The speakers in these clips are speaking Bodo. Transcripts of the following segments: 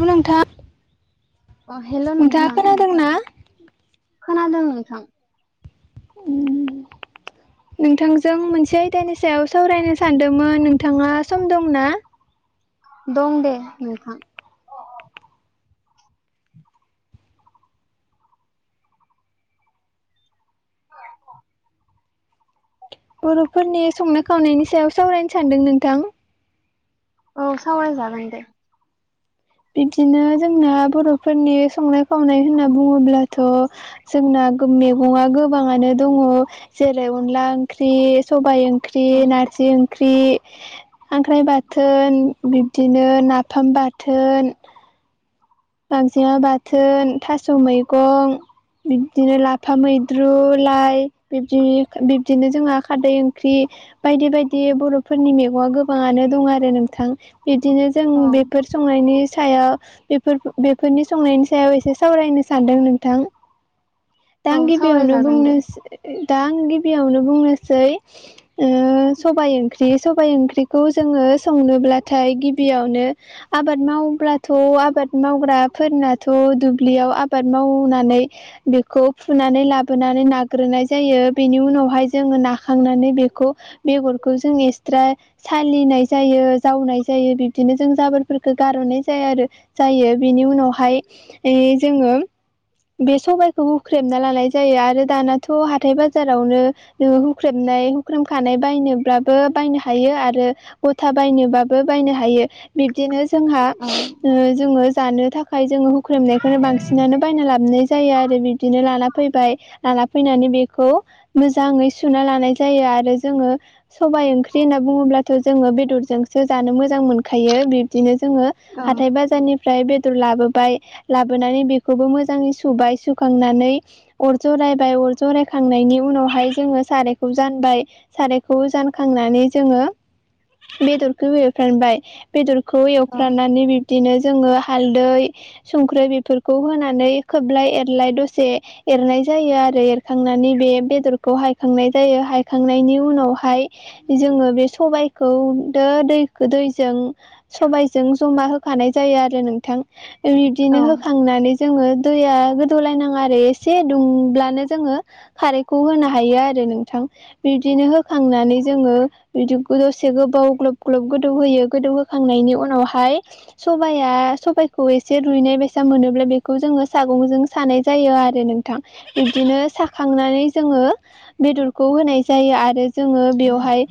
हेलौ नोंथां अ हेल' नोंथां नोंथाङा खोनादों ना? खोनादों नोंथां। ओम नोंथांजों मोनसे दाइनि सायाव सावरायनो सानदोंमोन नोंथाङा सम दंना? दं दे नोंथां। बर'फोरनि संनाय खावनायनि सायाव सावरायनो सानदों नोंथां। औ सावरायजागोन दे। बिदिनो जोंना बर'फोरनि संनाय खावनाय होनना बुङोब्लाथ' जोंना गो-मेगङा गोबाङानो दङ। जेरै अनला ओंख्रि, सबाइ ओंख्रि, औ नारजि ओंख्रि, खांख्राइ बाथोन बिब्दिनो नाफाम बाथोन, गांजेमा बाथोन, थास' मैगं, बिब्दिनो लाफा मैद्रु, लाइ बिब्दि बिब्दिनो जोंहा खारदै ओंख्रि। बायदि बायदि बर'फोरनि मेगंआ गोबाङानो दं आरो नोंथां। बिदिनो जों औ बेफोर संनायनि सायाव बेब फोर बेफोरनि संनायनि सायाव एसे सावरायनो सानदों नोंथां। दा औ आं गिबियावनो सावरायजागोन दे बुंनोस दा आं गिबियावनो बुंनोसै। ओ सबाय ओंख्रि सबाइ ओंख्रिखौ जोङो संनोब्लाथाय गिबियावनो आबाद मावब्लाथ' आबाद मावग्राफोरनाथ' दुब्लियाव आबाद मावनानै बेखौ फुनानै लाबोनानै नाग्रोनाय जायो बेनि उनावहाय जोङो नाखांनानै बेखौ बेगरखौ जों एसट्रा सालिनाय जायो जावनाय जायो बिब्दिनो जों जाबोरफोरखौ गारह'नाय जाया आरो। जायो बेनि उनावहाय इ जोङो बे सबायखौ हुख्रेमना लानाय जायो आरो दानाथ' हाथाय बाजारावनो ओ हुख्रेमनाय हुख्रेमखानाय बायनोब्लाबो बायनो हायो आरो गथा बायनोबाबो बायनो हा हायो बिब्दिनो जोंहा औ ओ जोङो जानो थाखाय जोङो हु ख्रेमनायखोनो बांसिनानो बायना लाबनाय जायो आरो बिब्दिनो लाना फैबाय। लाना फैनानै बेखौ मोजाङै सुना लानाय जायो आरो जोङो सबाइ ओंख्रि होनना बुङोब्लाथ' जोङो बेदरजोंसो जानो मोजां मोनखायो बिब्दिनो जोङो औ हाथाइ बाज जारनिफ्राय बेदर लाबोबाय लाबोनानै बेखौबो मोजाङै सुबाय सुखांनानै अर जरायबाय अर जरायखांनायनि उनावहाय जोङो सारायखौ जानबाय सारायखौ जानखांनानै जोङो बेदरखौ एवफ्रानबाय बेदरखौ औ एवफ्राननानै बिब दिनो जोङो हालदै संख्रि बेफोरखौ होनानै खोबलाय एरलाय दसे एरनाय जायो आरो एरखांनानै बे बेदरखौ हायखांनाय जायो हायखांनायनि उनावहाय जोङो बे सबायखौ दो दै दैजों सबायजों जमा हो फानाय जायो आरो नोंथां औ बिब्दिनो होखांनानै जोङो दैया गोदौलायनाङा आरो एसे दुंब्लानो जोङो खारैखौ होनो हायो आरो नोंथां बिब्दिनो होखांनानै जोङो बिदि दसे गोबाव ग्लब ग्लब गोदौ होयो गोदौ होखांनायनि उनावहाय सबाया सबाइखौ एसे रुइनाय बेैसा मोनोब्ला बेखौ जोङो सागंजों सानाय जायो आरो नोंथां। इदिनो साखांनानै जोङो बेदरखौ होनाय जायो आरो जोङो बेवहाय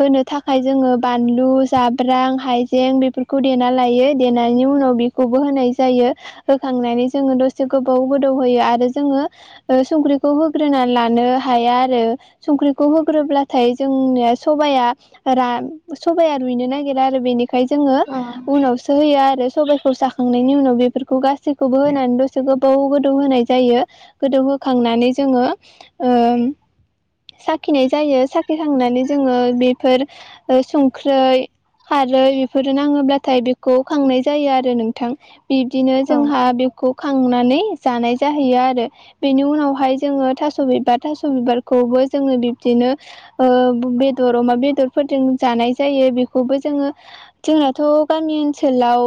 होनो थाखाय जोङो बानलु जाब्रां हाइजें बेफोरखौ देना लायो। देनायनि उनाव बेखौबो होनाय जायो। होखांनानै जोङो दसे गोबाव गोदौ होयो आरो जोङो ओ संख्रिखौ होग्रोना लानो हाया आरो। संख्रिखौ होग्रोब्लाथाय जोंनोया सबाया रा सबाया रुइनो नागि खेलारो बेनिखाय जोङो औ उनावसो होयो आरो सबायखौ साखांनायनि उनाव बेफोरखौ गास सिखौबो‌ होनानै दसे गोब बाव गोदौ होनाय जायो गोदौ होखांनानै जोङो ओम साखिनाय जायो साखिखांनानै जोङो बेफोर ओ संख्रै खारै बेफोर नाङोब्लाथाय बे खौ खांनाय जायो आरो नोंथां बिब्दिनो औ जोंहा बेखौ खांनानै जानाय जाहैयो आरो। बेनि उनावहाय जोङो थास' बिबार थास' बिबारखौबो जोङो बिब्दिनो ओ बेदर अमा बेदरफोरजों जानाय जायो बेखौबो जोङो जोंनाथ' गामि ओनसोलाव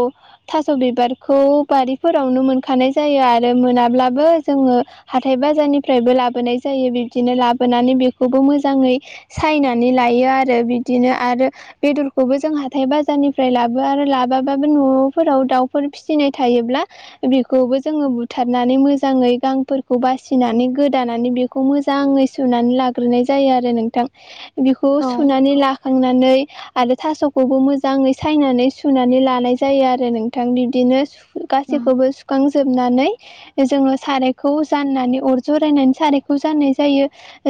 थास' बिबारखौ बारिफोरावनो मोनखानाय जायो आरो मोनाब्लाबो जोङो हाथाय बाजारनिफ्रायबो लाबोनाय जायो बिब्दिनो लाबोनानै बेखौबो मोजाङै सायनानै लायो आरो बिदिनो आरो बेदरखौबो जों हाथाय बाजारनिफ्राय लाबो आरो लाबो माबाबोन न'फोराव दाउफोर फिसिनाय थायोब्ला बेखौबो जोङो बुथारनानै मोजाङै गांफोरखौ बासिनानै गोदानानै बे खौ मोजाङै सुनानै लाग्रोनाय जायो आरो नोंथां। बिखौ सुनानै लाखांनानै आरो थास'खौबो मोजाङै सायनानै सु सुनानै लानाय जायो आरो नोंथां बिदिनो सु गासैखौबो सुखांजोबनानै बे जोंल' सारायखौ जाननानै अर ज रायनानै सारायखौ जान्नाय जायो।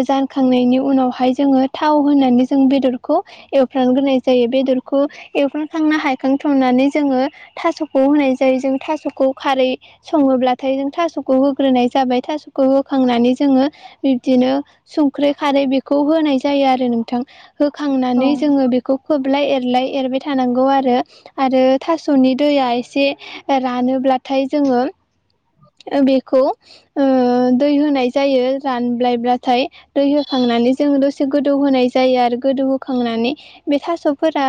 जानखांनायनि उनावहाय जोङो थाव होनानै जों बेदरखौ एवफ्राग्रोनाय जायो बेदरखौ एवफ्रानखांना हाय खांथनानै जोङो थास'खौ होनाय जायो जों थास'खौ खारै सङोब्लाथाय जों थास'खौ होग्रोनाय जाबाय थास'खौ होखांनानै जोङो बिब्दिनो संख्रि खारै बेखौ होनाय जायो आरो नोंथां। होखांनानै जोङो बेखौ खोबलाय एरलाय एरबाय थानांगौ आरो। आरो थास'नि दैया एसे रानोब्लाथाय जोङो ओ बेखौ ओ दै होनाय जायो रानबायब्लाथाय। दै होखांनानै जोंङ दसे गोदौ होनाय जायो आरो गोदौ होखांनानै बे थास'फोरा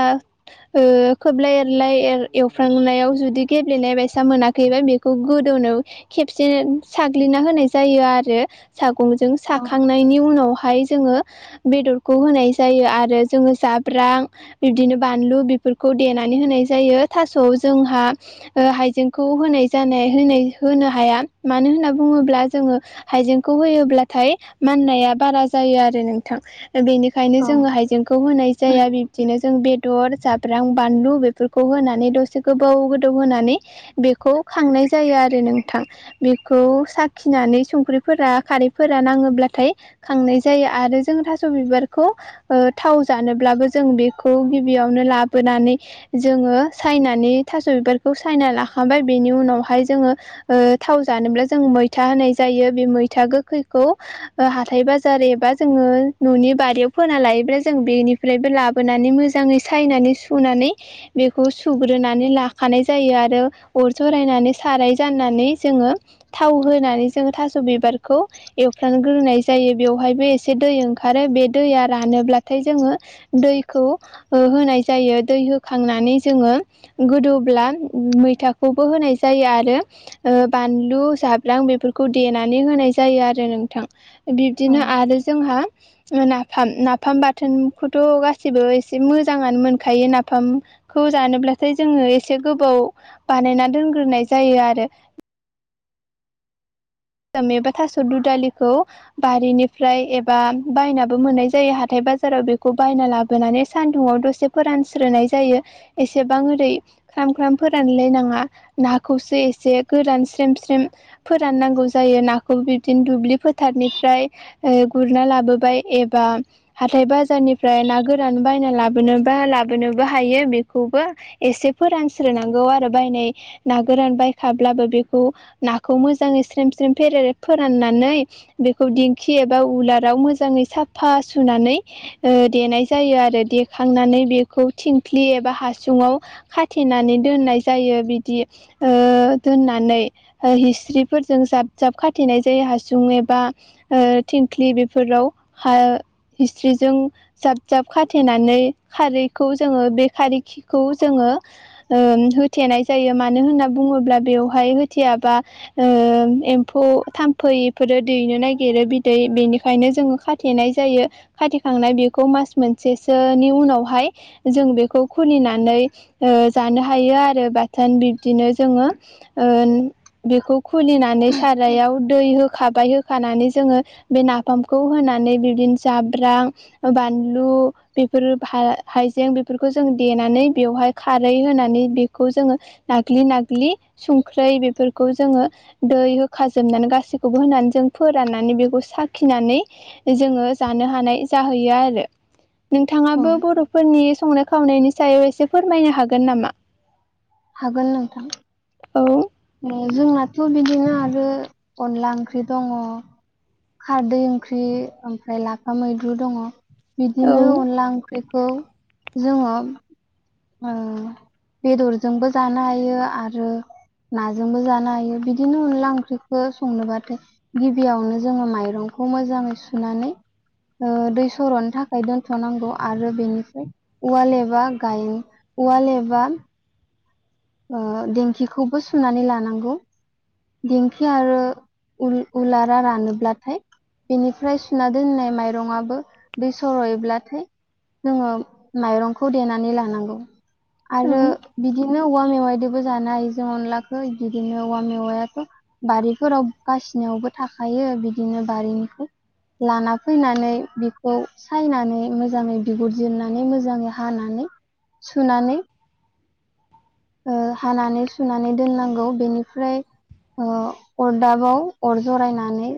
ओ खोबलाय एरलाय एर एवफ्रांनायाव जुदि गेब्लेनाय बायसा मोनाखैबा बेखौ गोदौनायाव खेबसे साग्लिना होनाय जायो आरो। सागंजों साखांनायनि उनावहाय जोङो बेदरखौ होनाय जायो आरो जोङो जाब्रां बिबदिनो बानलु बेफोरखौ देनानै होनाय जायो थास'आव जोंहा ओ हाइजेंखौ होनाय जानाय होनाय होनो हाया मानो होनना बुङोब्ला जोङो हाइजेंखौ होयोब्लाथाय माननाया बारा जायो आरो नोंथां। दा बेनिखायनो औ जोङो हाइजेंखौ होनाय जाया बिब्दिनो जों बेदर जाब्रां बानलु बेफोरखौ होनानै दसे गोबाव गोदौ होनानै बेखौ खांनाय जायो आरो। रो नोंथां बेखौ साखिनानै संख्रिफोरा खारैफोरा नाङोब्लाथाय खांनाय जायो आरो जों थास' बिबारखौ ओ थाव जानोब्लाबो जों बेखौ गिबियावनो लाबोनानै जोङो सायनानै थास' बिबारखौ सायना लाखांबाय बेनि उनावहाय जोङो ओ थाव जानोब्ला जों मैथा होनाय जायो बे मैथा गोखैखौ ओ हाथाय बाजार एबा जोङो न'नि बारियाव फोना लायोब्ला बे जों बेनि फ्रायबो लाबोनानै मोजाङै सायनानै सुनानै बेखौ सुग्रोनानै लाखानाय जायो आरो अर जरायनानै साराय जाननानै जोङो थाव होनानै जोङो थास' बिबारखौ एवफ्र्लानग्रोनाय जायो बेवहायबो एसे दै ओंखारो बे दैया रानोब्लाथाय जोङो दैखौ ओ होनाय जायो दै होखांनानै जोङो गोदौब्ला मैथाखौबो होनाय जायो आरो ओ बानलु जाब्रां बेफोरखौ देनानै होनाय जायो आरो नोंथां। बिब्दिनो आरो जोंहा नाफाम नाफाम बाथोनखौथ' गासिबो एसे मोजाङानो मोनखायो नाफाम खौ जानोब्लाथाय जोङो एसे गोबाव बानायनानै दोनग्रोनाय जायो आरो। फ्राम एबा थास' दु दालिखौ बारिनिफ्राय एबा बायनाबो मोननाय जायो हाथाय बाजाराव बेखौ बायना लाबो बोनानै सानदुंआव दसे फोरानस्रोनाय जायो एसेबां ओरै ख्राम ख्राम फोरानलायनाङा नाखौसो एसे गोरान स्रेम स्रेम फोराननांगौ जायो नाखौ बिदिनो दुब्लि फोथारनिफ्राय ओ गुरना लाबोबाय एबा हाथाय बाजारनिफ्राय ना गोरान बायना लाबोनो बा लाबोनोबो हायो बेखौबो एसे फोरानस्रोनांगौ आरो बायनाय ना गोरान बायखाब्लाबो बेखौ नाखौ मोजाङै स्रेम स्रेम फेरेर फोराननानै बेखौ दिंखि एबा उलाराव मोजाङै साफा सुनानै ओ देनाय जायो आरो देखांनानै बेखौ थिंख्लि एबा हासुुंआव खा थेनानै दोननाय जायो बिदि ओ दोननानै हिस्रिफोरजों जा जाब खाथेनाय जायो हासुं एबा ओ थिंख्लि बेफोराव हा हिस्रिजों जाब जाब खाथेनानै खारैखौ जोङो बे खारै खिखौ जोङो ओ होथेनाय जायो मानो होनना बुङोब्ला बेवहाय होथेयाबा ओ एम्फौ थाम्फैफोरो दैनो नागिरो बिदै बेनिखायनो जोङो खाथेनाय जायो खाथिखांनाय बेखौ मास मोनसेसोनि उनावहाय जों बेखौ खुलिनानै ओ जानो हायो आरो ब थोन बिब्दिनो जोङो ओ बेखौ खुलिनानै सारायाव दै होखाबाय होखानानै जोङो बे नाफामखौ होनानै बिद्बिनो जाब्रां बानलु बेफोरो हाइजें बेफोरखौ जों देनानै बेवहाय खारै होनानै बेखौ जोङो नाग्लि नाग्लि संख्रै बेफोरखौ जोङो दै जोबनानै गासैखौबो होनानै जों फोराननानै बेखौ साखिनानै जोङो जानो हानाय जाहैयो आरो औ नोंथाङाबो बर'फोरनि संनाय खावनायनि सायाव एसे फोरमायनो हागोन नामा? हागोन नोंथां औ जोंनाथ' बिदिनो आरो अनला ओंख्रि दङ खारदै ओंख्रि ओमफ्राय लाफा मैद्रु दङ। औ बिदिनो अनला ओंख्रिखौ जोङो ओ बेदरजोंबो जानो हायो आरो नाजोंबो जानो हायो बिदिनो अनला ओंख्रिखो संनोबाथाय गिबियावनो जोङो माइरंखौ मोजाङै सुनानै ओ दै सर'नो थाखाय दोनथ'नांगौ आरो बेनिफ्राय औवाल एबा गाय औवाल एबा ओ देंखिखौबो सुनानै लानांगौ देंखि आरो उल उलारा रानोब्लाथाय बेनिफ्राय सुना दोननाय माइरंआबो दै स'रयोब्लाथाय जोङो माइरंखौ देनानै लानांगौ आरो औ बिदिनो औवा मेवायदोबो जानो हायो जों अनलाखो बिदिनो औवा मेवायाथ' बारिफोराव गासिनावबो थाखायो बिदिनो बारिनिखौ लाना फैनानै बिखौ सायनानै मोजाङै बिगुरजिरनानै मोजाङै हानानै सुनानै ओ हानानै सुनानै दोननांगौ बेनिफ्राय ओ अरदाबाव अर जरायनानै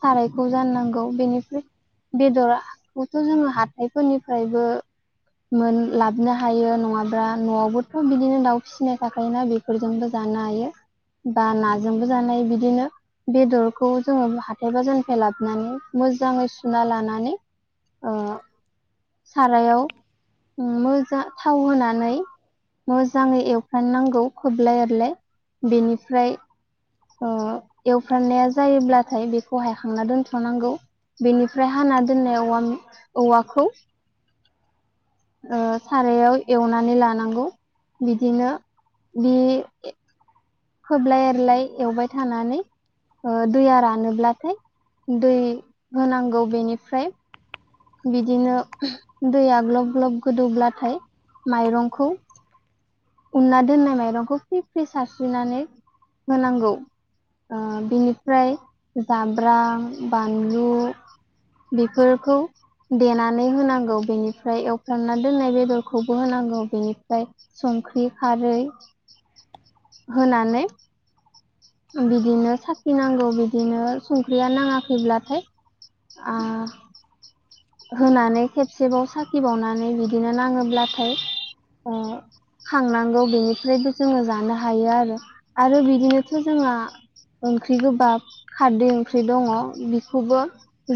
सारायखौ जाननांगौ बेनिफ्राय बेदरखौथ' हाथायफोरनिफ्रायबो। लाबनो हायो नङाब्ला न'आवबोथ' बिदिनो दाउ फिनाय थाखायोना बेफोरजोंबो जानो हायो बा नाजोंबो जानाय बिदिनो। बेदरखौ जोङो हाथाय बाजारनिफ्राय लाबोनानै मोजाङै सुना लानानै। ओ [inaudible] सारायाव मोजां थाव होनानै मोजाङै एव नांगौ खोबलाय एरलाय बेनिफ्राय एवफ्रामनाया जायोब्लाथाय बेखौ हायखांना दोनथ'नांगौ। बेनिफ्राय हाना दोननाय औ औवाखौ। सारायाव एवनानै लानांगौ बिदिनो बे। खोबलाय एरलाय एवबाय थानानै ओ दैया रानोब्लाथाय दै होनांगौ बेनिफ्राय बिदिनो दैया ग्लब ग्लब गोदौब्लाथाय माइरंखौ उनना दोननाय माइरंखौ फ्रि फ्रि सारस्रिनानै होनांगौ। ओ बिनिफ्राय जाब्रां, बानलु बेफोरखौ देनानै होनांगौ बेनिफ्राय एवफ्रामना दोननाय बेदरखौबो होनांगौ बेनिफ्राय संख्रि खारै होनानै बिदिनो साखि नांगौ बिदिनो संख्रिया नाङाखैब्लाथाय आ होनानै खेबसेबाव साखिबावनानै बिदिनो नाङोब्लाथाय ओ खांनांगौ बेनिफ्रायबो जोङो जानो हायो आरो आरो बिदिनोथ' जोंहा ओंख्रि गोबाब। खारदै ओंख्रि दङ बेखौबो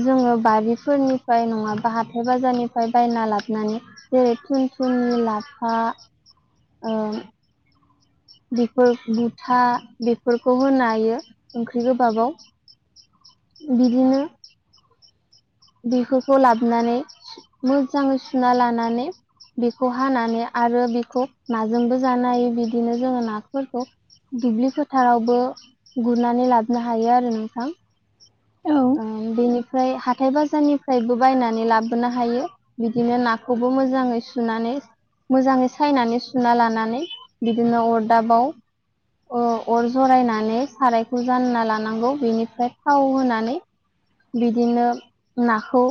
जोङो बारिफोरनि नङा बा हाथाय बाजारनिफ्राय बायना लाबनानै जेरै थुनथिनि लाफा ओ बेफोर बुथा बेफोरखौ होनो हायो ओंख्रि गोबाबाव। बिदिनो। बेफोरखौ लाबोनानै मोजाङै सुना लानानै। बेखौ हानानै आरो बेखौ नाजोंबो जानो हायो बिदिनो जोङो नाफोरखौ दुब्लि फोथारावबो गुरनानै लाबोनो हायो आरो नोंथां। औ ओ बेनिफ्राय हा हाथाय बाजारनिफ्रायबो बायनानै लाबोनो हायो बिदिनो नाखौबो मोजाङै सुनानै मोजाङै सायनानै सुना लानानै बिदिनो अरदाबाव ओ अर जरायनानै सारायखौ जानना लानांगौ बेनिफ्राय थाव होनानै बिदिनो नाखौ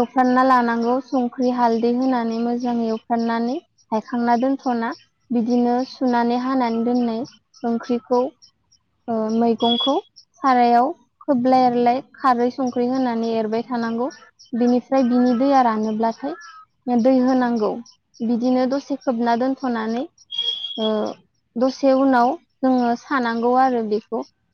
एवफ्रामना लानांगौ संख्रि हालदै होनानै मोजां एवफ्रामनानै। हायखांना दोनथ'ना बिदिनो सुनानै हानानै दोननाय ओंख्रिखौ। ओ मैगंखौ सारायाव खोबलाय एरलाय खारै संख्रि होनानै एर एरबाय थानांगौ बेनिफ्राय बिनि दैया रानोब्लाथाय दै होनांगौ बिदिनो दसे खोबना दोनथ'नानै ओ दसे उनाव जोङो सानांगौ आरो बेखौ।